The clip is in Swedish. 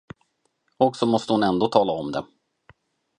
Och så måste hon ändå tala om det.